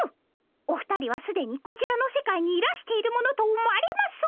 お二人はすでにこちらの世界にいらしているものと思われます。